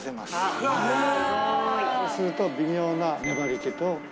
そうすると微妙な粘りけと。